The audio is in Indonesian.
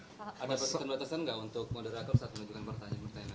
ada pertanyaan pertanyaan nggak untuk moderator saat menunjukkan pertanyaan